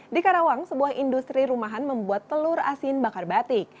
di karawang sebuah industri rumahan membuat telur asin bakar batik